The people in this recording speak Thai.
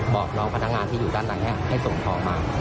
บอกน้องพนักงานที่อยู่ด้านหลังให้ส่งของมา